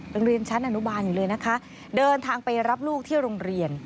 ยังเรียนชั้นอนุบาลอยู่เลยนะคะเดินทางไปรับลูกที่โรงเรียน